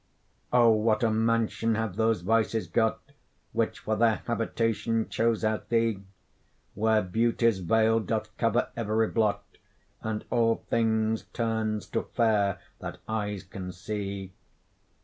O! what a mansion have those vices got Which for their habitation chose out thee, Where beauty's veil doth cover every blot And all things turns to fair that eyes can see!